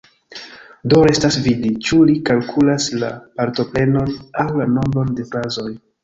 Do restas vidi, ĉu li kalkulas la partoprenon aŭ la nombron de frazoj.